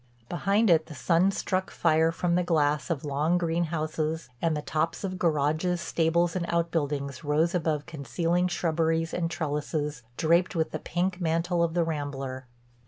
Behind it the sun struck fire from the glass of long greenhouses, and the tops of garages, stables and out buildings rose above concealing shrubberies and trellises draped with the pink mantle of the rambler.